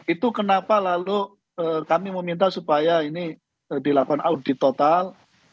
itu kenapa lalu kami meminta supaya ini dilakukan audit total